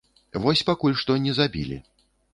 Вось пакуль што не забілі.